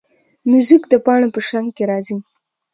موزیک د پاڼو په شرنګ کې راځي.